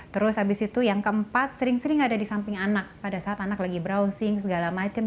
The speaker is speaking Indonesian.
terus habis itu yang keempat sering sering ada di samping anak pada saat anak lagi browsing segala macam